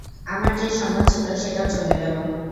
আমার যে সম্মান ছিল সেটাও চলে গেলো।